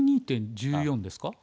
「１２．１４」ですか？